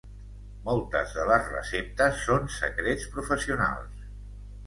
Moltes de les receptes són secrets professionals.